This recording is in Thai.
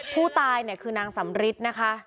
ผู้ตายเนี่ยคือนางสำริทนะคะ